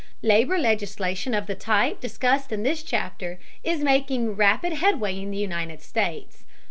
Labor legislation of the type discussed in this chapter is making rapid headway in the United States.